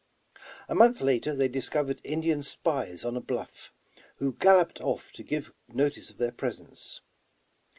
A month later they discovered Indian spies on a bluff, who galloped off to give notice of their pres ence.